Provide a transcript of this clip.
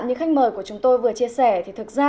như khách mời của chúng tôi vừa chia sẻ thì thực ra